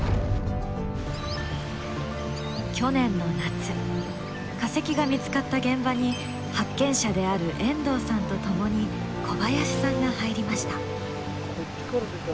去年の夏化石が見つかった現場に発見者である遠藤さんと共に小林さんが入りました。